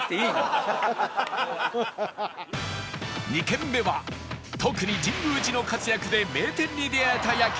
２軒目は特に神宮寺の活躍で名店に出会えた焼肉